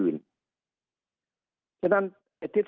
สุดท้ายก็ต้านไม่อยู่